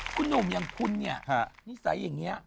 คุณหนุ่มอย่างคุณเนี่ยนิสัยอย่างนี้